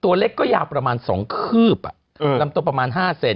ตัวเล็กก็ยาวประมาณ๒คืบลำตัวประมาณ๕เซน